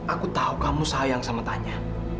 aku tahu kamu sayang sama tanya